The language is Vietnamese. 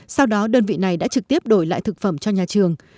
sau đó đơn vị này đã trực tiếp đổi lại thực phẩm cho nhà trường